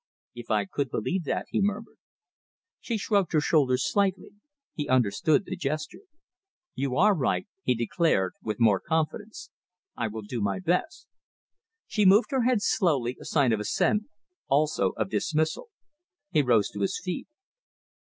"If I could believe that," he murmured. She shrugged her shoulders slightly. He understood the gesture. "You are right," he declared, with more confidence. "I will do my best." She moved her head slowly, a sign of assent, also of dismissal. He rose to his feet.